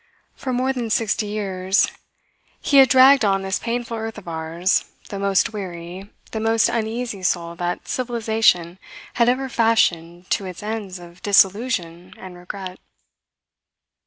For more than sixty years he had dragged on this painful earth of ours the most weary, the most uneasy soul that civilization had ever fashioned to its ends of disillusion and regret.